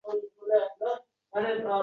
Onajon!